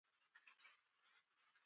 ستا د زړه له څړیکو یو الله خبریږي